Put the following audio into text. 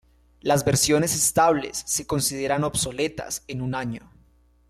Las versiones estables se consideran obsoletas en un año.